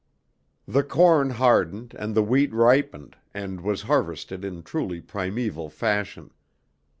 The corn hardened, and the wheat ripened, and was harvested in truly primeval fashion.